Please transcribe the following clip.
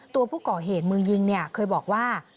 ตัวผู้ก่อเหตุมือยิงเนี่ยเคยบอกว่า